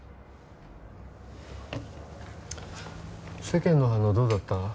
世間の反応どうだった？